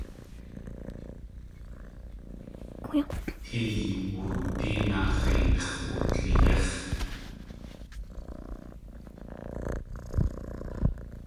Teey woodí naaxeinx̲ dulyéix̲.